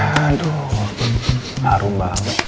waduh harum banget